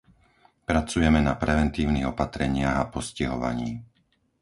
Pracujeme na preventívnych opatreniach a postihovaní.